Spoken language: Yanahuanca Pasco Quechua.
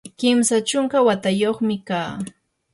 kimsa chunka watayuqnami kaa.